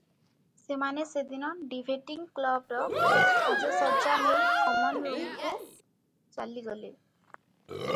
ସେମାନେ ସେଦିନ ଡିଭେଟିଙ୍ଗ୍ କ୍ଲବର ସାଜ ସଜ୍ଜା ନେଇ କମନ୍ ରୁମକୁ ଚାଲି ଗଲେ ।